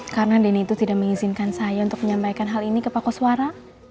karena denny itu tidak mengizinkan saya untuk menyampaikan hal ini ke pak koswara